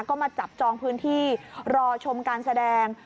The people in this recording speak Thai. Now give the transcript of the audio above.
ก็มาจับจองพื้นที่รอชมการแสดง